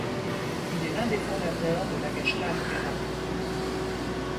Il est l'un des fondateurs de la Gestalt-thérapie.